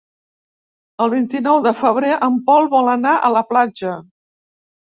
El vint-i-nou de febrer en Pol vol anar a la platja.